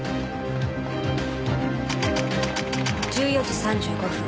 １４時３５分